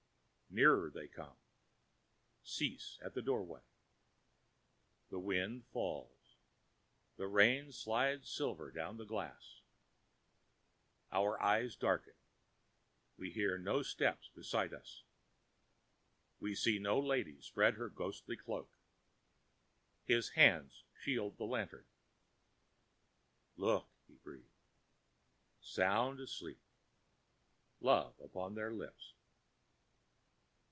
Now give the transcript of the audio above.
Nearer they come; cease at the doorway. The wind falls, the rain slides silver down the glass. Our eyes darken; we hear no steps beside us; we see no lady spread her ghostly cloak. His hands shield the lantern. "Look," he breathes. "Sound asleep. Love upon their lips."